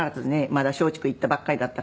まだ松竹行ったばっかりだったから。